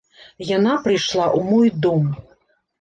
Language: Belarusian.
Яна прыйшла ў мой дом.